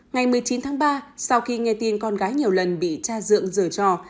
ngày một mươi chín tháng ba sau khi nghe tin con gái nhiều lần bị tra dưỡng giở trò